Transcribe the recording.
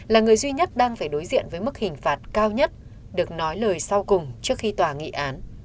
là người duy nhất đang phải đối diện với mức hình phạt cao nhất được nói lời sau cùng trước khi tòa nghị án